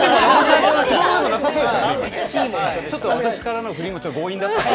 ちょっと、私からの振りも強引だったかな。